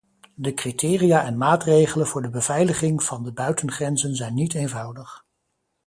De criteria en maatregelen voor de beveiliging van de buitengrenzen zijn niet eenvoudig.